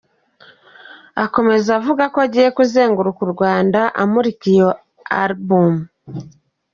Akomeza avuga ko agiye kuzenguruka u Rwanda amurika iyo “Alibumu”.